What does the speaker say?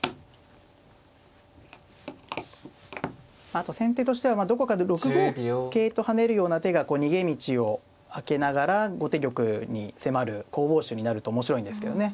あと先手としてはどこかで６五桂と跳ねるような手が逃げ道を開けながら後手玉に迫る攻防手になると面白いんですけどね。